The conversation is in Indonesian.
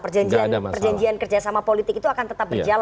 perjanjian kerja sama politik itu akan tetap berjalan